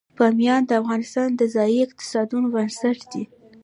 بامیان د افغانستان د ځایي اقتصادونو بنسټ دی.